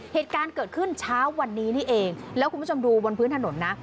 เหตุการณ์เกิดขึ้นเช้าวันนี้นี่เองแล้วคุณผู้ชมดูบนพื้นถนนนะ